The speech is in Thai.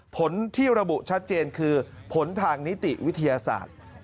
ผลที่ระบุชัดเจนคือผลทางนิติวิทยาศาสตร์